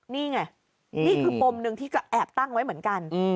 นี่ไงนี่คือปมหนึ่งที่ก็แอบตั้งไว้เหมือนกัน